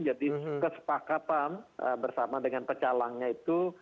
jadi kesepakatan bersama dengan pecalangnya itu